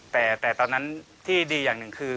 แต่ตอนนั้นที่ดีอย่างหนึ่งคือ